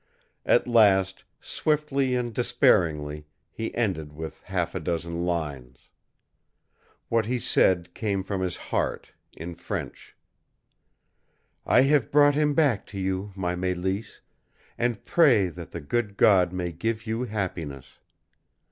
At last, swiftly and despairingly, he ended with half a dozen lines. What he said came from his heart, in French: "I have brought him back to you, my Mélisse, and pray that the good God may give you happiness.